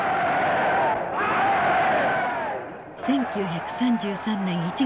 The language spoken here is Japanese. １９３３年１月３０日。